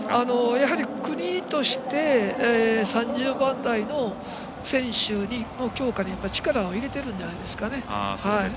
やはり、国として３０番台の選手の強化に力を入れてるんじゃないですかね。